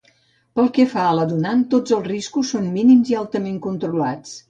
Pel que fa a la donant, tots els riscos són mínims i altament controlats.